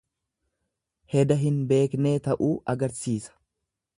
Heda hin beeknee ta'uu agarsiisa.